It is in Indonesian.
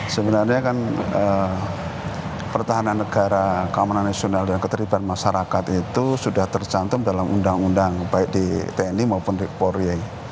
sebenarnya kan pertahanan negara keamanan nasional dan keterlibatan masyarakat itu sudah tercantum dalam undang undang baik di tni maupun di polri